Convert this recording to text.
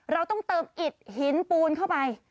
เราต้องเติมอิดหินปูนเข้าไป